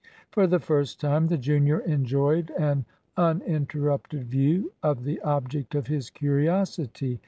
For the first time the junior enjoyed an uninterrupted view of the object of his curiosity.